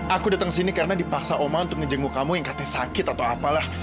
aku datang sini karena dipaksa oma untuk ngejenguk kamu yang katanya sakit atau apalah